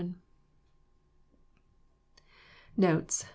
Notes.